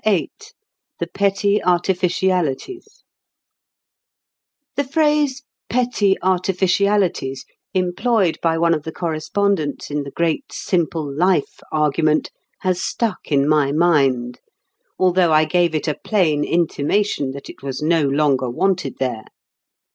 VIII THE PETTY ARTIFICIALITIES The phrase "petty artificialities," employed by one of the correspondents in the great Simple Life argument, has stuck in my mind, although I gave it a plain intimation that it was no longer wanted there.